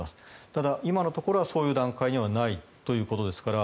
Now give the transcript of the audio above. ただ、今のところはそういう段階にはないということですから。